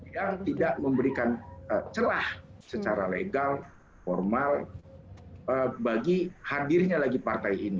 yang tidak memberikan celah secara legal formal bagi hadirnya lagi partai ini